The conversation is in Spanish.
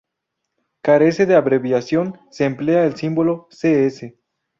Carece de abreviación, se emplea el símbolo cs.